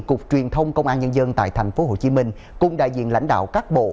cục truyền thông công an nhân dân tại tp hcm cùng đại diện lãnh đạo các bộ